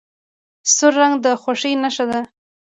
سور رنګ د خوښۍ نښه ده.